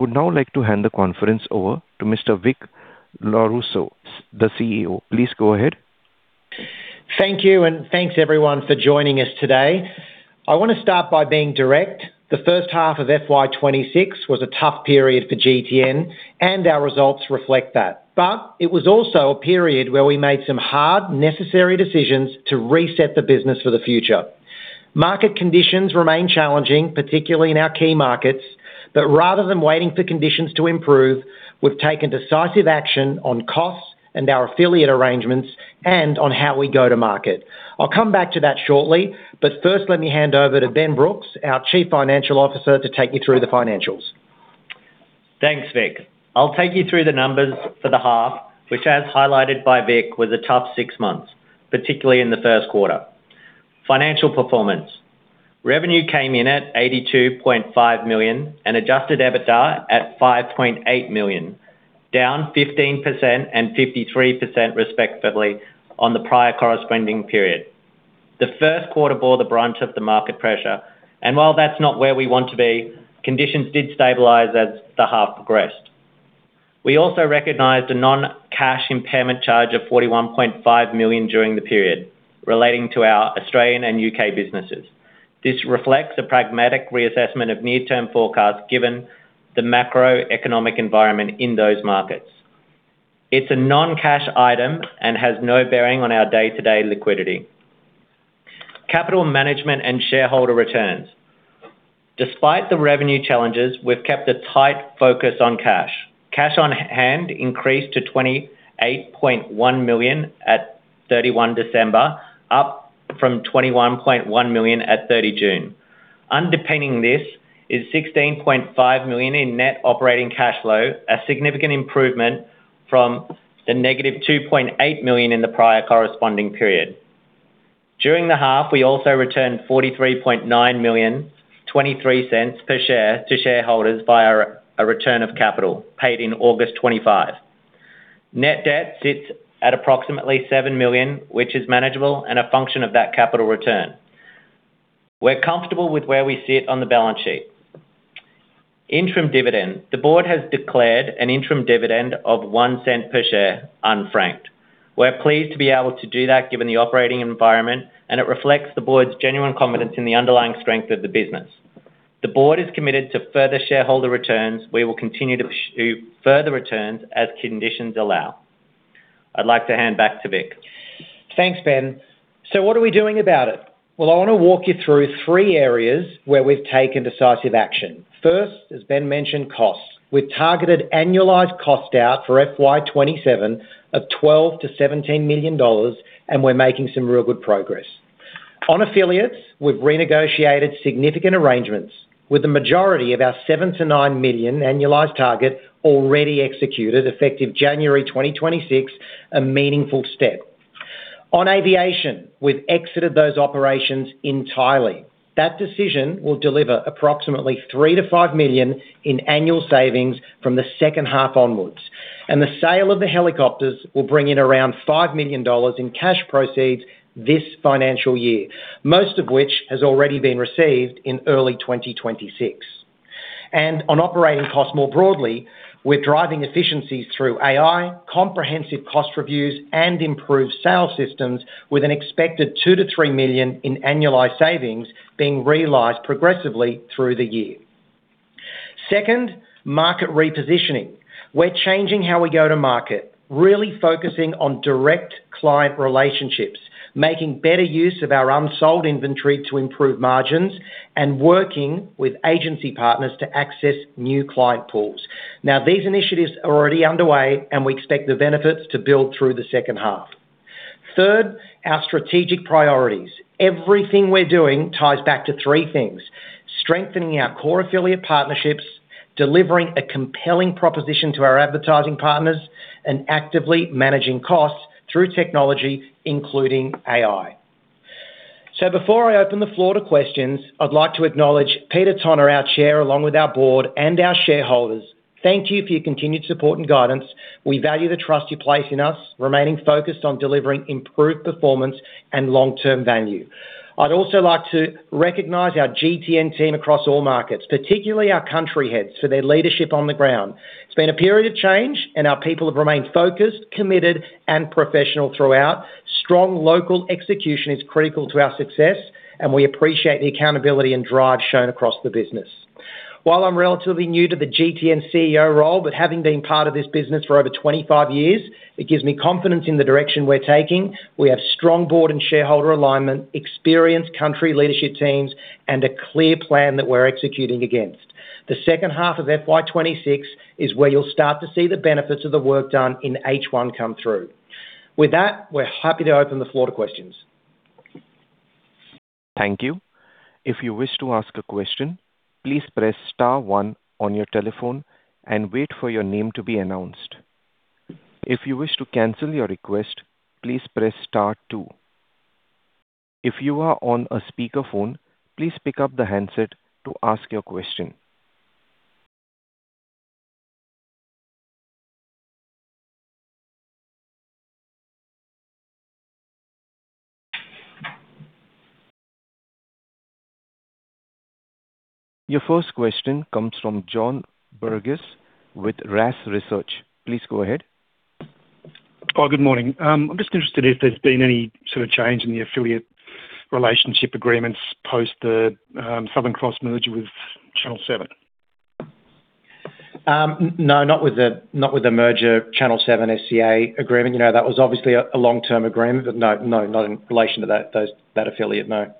I would now like to hand the conference over to Mr. Vic Lorusso, the CEO. Please go ahead. Thank you, and thanks everyone for joining us today. I want to start by being direct. The first half of FY26 was a tough period for GTN, and our results reflect that. It was also a period where we made some hard, necessary decisions to reset the business for the future. Market conditions remain challenging, particularly in our key markets, but rather than waiting for conditions to improve, we've taken decisive action on costs and our affiliate arrangements and on how we go to market. I'll come back to that shortly, but first, let me hand over to Ben Brooks, our Chief Financial Officer, to take you through the financials. Thanks, Vic. I'll take you through the numbers for the half, which, as highlighted by Vic, was a tough six months, particularly in the first quarter. Financial performance. Revenue came in at 82.5 million and adjusted EBITDA at 5.8 million, down 15% and 53% respectively on the prior corresponding period. The first quarter bore the brunt of the market pressure. While that's not where we want to be, conditions did stabilize as the half progressed. We also recognized a non-cash impairment charge of 41.5 million during the period, relating to our Australian and UK businesses. This reflects a pragmatic reassessment of near-term forecasts, given the macroeconomic environment in those markets. It's a non-cash item. Has no bearing on our day-to-day liquidity. Capital management and shareholder returns. Despite the revenue challenges, we've kept a tight focus on cash. Cash on hand increased to 28.1 million at 31 December, up from 21.1 million at 30 June. Underpinning this is 16.5 million in net operating cash flow, a significant improvement from the negative 2.8 million in the prior corresponding period. During the half, we also returned 43.9 million, 0.23 per share to shareholders via a return of capital paid in August 2025. Net debt sits at approximately 7 million, which is manageable and a function of that capital return. We're comfortable with where we sit on the balance sheet. Interim dividend. The board has declared an interim dividend of 0.01 per share, unfranked. We're pleased to be able to do that given the operating environment, and it reflects the board's genuine confidence in the underlying strength of the business. The board is committed to further shareholder returns. We will continue to pursue further returns as conditions allow. I'd like to hand back to Vic. Thanks, Ben. What are we doing about it? Well, I want to walk you through three areas where we've taken decisive action. First, as Ben mentioned, costs. We've targeted annualized cost out for FY27 of 12 million-17 million dollars, and we're making some real good progress. On affiliates, we've renegotiated significant arrangements with the majority of our 7 million-9 million annualized target already executed, effective January 2026, a meaningful step. On aviation, we've exited those operations entirely. That decision will deliver approximately 3 million-5 million in annual savings from the second half onwards, and the sale of the helicopters will bring in around 5 million dollars in cash proceeds this financial year, most of which has already been received in early 2026. On operating costs more broadly, we're driving efficiencies through AI, comprehensive cost reviews, and improved sales systems, with an expected 2 million-3 million in annualized savings being realized progressively through the year. Second, market repositioning. We're changing how we go to market, really focusing on direct client relationships, making better use of our unsold inventory to improve margins, and working with agency partners to access new client pools. These initiatives are already underway, and we expect the benefits to build through the second half. Third, our strategic priorities. Everything we're doing ties back to three things: strengthening our core affiliate partnerships, delivering a compelling proposition to our advertising partners, and actively managing costs through technology, including AI. Before I open the floor to questions, I'd like to acknowledge Peter Tonagh, our Chair, along with our board and our shareholders. Thank you for your continued support and guidance. We value the trust you place in us, remaining focused on delivering improved performance and long-term value. I'd also like to recognize our GTN team across all markets, particularly our country heads, for their leadership on the ground. It's been a period of change, and our people have remained focused, committed, and professional throughout. Strong local execution is critical to our success, and we appreciate the accountability and drive shown across the business. While I'm relatively new to the GTN CEO role, but having been part of this business for over 25 years, it gives me confidence in the direction we're taking. We have strong board and shareholder alignment, experienced country leadership teams, and a clear plan that we're executing against. The second half of FY26 is where you'll start to see the benefits of the work done in H1 come through. With that, we're happy to open the floor to questions. Thank you. If you wish to ask a question, please press star one on your telephone and wait for your name to be announced. If you wish to cancel your request, please press star two. If you are on a speakerphone, please pick up the handset to ask your question. Your first question comes from John Burgess with RaaS Research. Please go ahead. Good morning. I'm just interested if there's been any sort of change in the affiliate relationship agreements post the Southern Cross merger with Channel 7? No, not with the merger, Channel 7 SCA agreement. You know, that was obviously a long-term agreement. No, not in relation to that, those, that affiliate, no.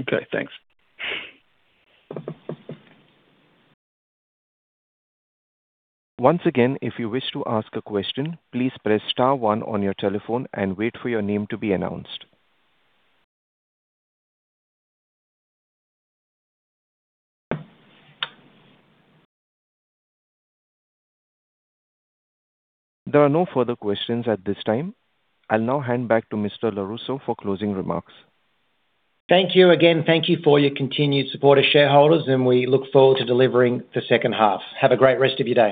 Okay, thanks. Once again, if you wish to ask a question, please press star one on your telephone and wait for your name to be announced. There are no further questions at this time. I'll now hand back to Mr. Larusso for closing remarks. Thank you again. Thank you for your continued support as shareholders. We look forward to delivering the second half. Have a great rest of your day.